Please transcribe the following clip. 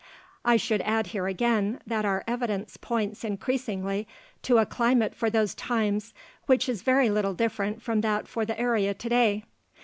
I should add here again, that our evidence points increasingly to a climate for those times which is very little different from that for the area today.